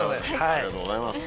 ありがとうございます。